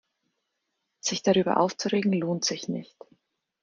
Sich darüber aufzuregen, lohnt sich nicht.